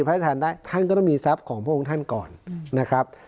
พระราชทานได้ท่านก็ต้องมีทรัพย์ของพระองค์ท่านก่อนนะครับ